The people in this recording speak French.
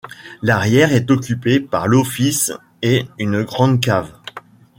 L'arrière est occupé par l'office et une grande cave.